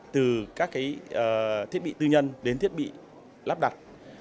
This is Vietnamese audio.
từ các thiết bị tư nhân đến thiết bị lắp đặt